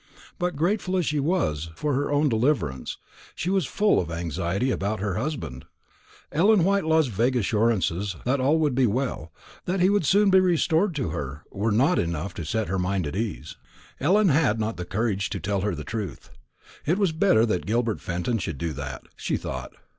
But grateful as she was for her own deliverance, she was full of anxiety about her husband. Ellen Whitelaw's vague assurances that all would be well, that he would soon be restored to her, were not enough to set her mind at ease. Ellen had not the courage to tell her the truth. It was better that Gilbert Fenton should do that, she thought.